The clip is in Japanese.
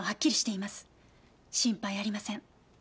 心配ありません。